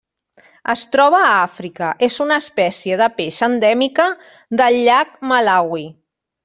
Es troba a Àfrica: és una espècie de peix endèmica del llac Malawi.